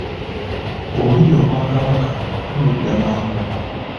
Bw'olirya Obwakabaka tulidda mangu.